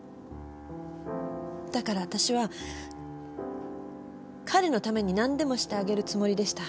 だから私は彼のために何でもしてあげるつもりでした。